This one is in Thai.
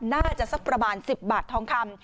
น่าจะประมาณ๑๐บาททองคัม